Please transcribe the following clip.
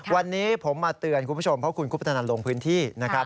วันนี้ผมมาเตือนคุณผู้ชมเพราะคุณคุปตนันลงพื้นที่นะครับ